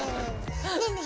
ねえねえ